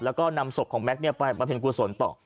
แล้วก็นำศพของแม็กซ์ไปบำเพ็ญกุศลต่อ